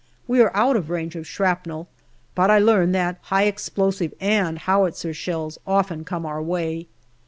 We are out of range of shrapnel, but I learn that high explosive and howitzer shells often come our way.